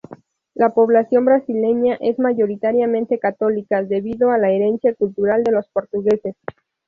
La población brasileña es mayoritariamente católica debido a la herencia cultural de los portugueses.